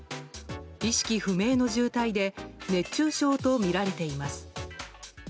意識不明の重体で熱中症とみられています。